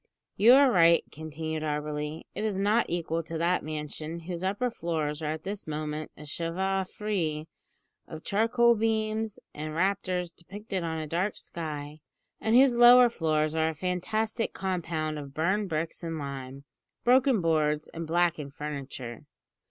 "You are right," continued Auberly; "it is not equal to that mansion, whose upper floors are at this moment a chevaux de frise of charcoal beams and rafters depicted on a dark sky, and whose lower floors are a fantastic compound of burned bricks and lime, broken boards, and blackened furniture."